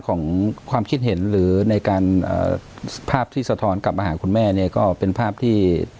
ของความคิดเห็นหรือในการภาพที่สะท้อนกลับมาหาคุณแม่เนี่ยก็เป็นภาพที่